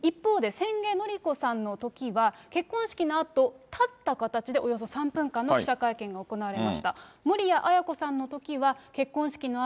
守谷絢子さんのときは、結婚式のあと立った形でおよそ７分の記者会見が行われました。